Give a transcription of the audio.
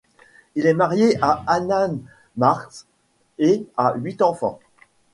Il est marié à Hannah Marks et a huit enfants.